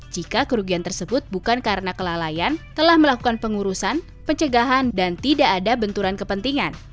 jika kerugian tersebut bukan karena kelalaian telah melakukan pengurusan pencegahan dan tidak ada benturan kepentingan